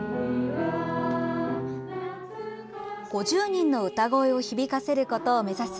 ５０人の歌声を響かせることを目指す